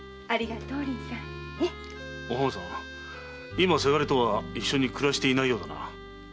今伜とは一緒に暮らしていないようだな？